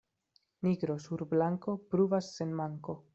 Nigro sur blanko pruvas sen manko.